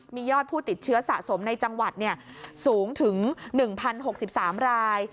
มียอดผู้ติดเชื้อสะสมในจังหวัดเนี้ยสูงถึงหนึ่งพันหกสิบสามราย